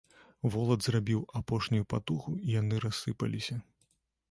Волат зрабіў апошнюю патугу, і яны рассыпаліся.